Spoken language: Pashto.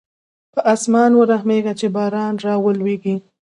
په اسمان ورحمېږه چې باران راولېږي.